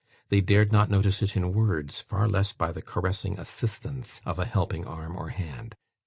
They dared not notice it in words, far less by the caressing assistance of a helping arm or hand.